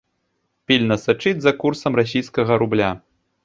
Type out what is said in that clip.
Пільна сачыць за курсам расійскага рубля.